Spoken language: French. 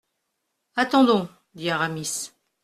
Attendons, dit Aramis.